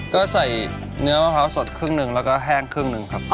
ก็ใส่เนื้อมะพร้าวสดครึ่งหนึ่งแล้วก็แห้งครึ่งหนึ่งครับ